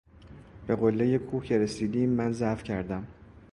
به قله کوه که رسیدیم من ضعف کردم.